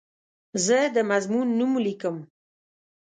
زه د مضمون نوم لیکم.